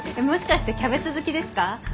もしかしてキャベツ好きですか？